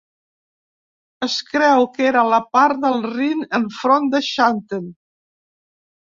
Es creu que era a la part del Rin enfront de Xanten.